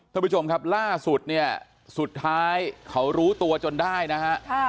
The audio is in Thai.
ท่านผู้ชมครับล่าสุดเนี่ยสุดท้ายเขารู้ตัวจนได้นะฮะ